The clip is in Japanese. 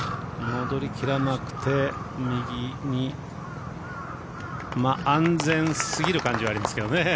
戻りきらなくて右に安全すぎる感じはありますけどね。